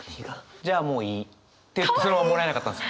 「じゃあもういい」って言ってそのままもらえなかったんですよ。